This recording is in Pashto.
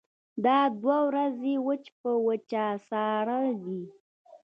دا دوه ورځې وچ په وچه ساړه دي.